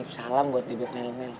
nih tip salam buat bibir milenya